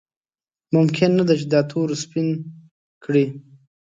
ممکن نه ده چې دا تور یې ورسپین کړي.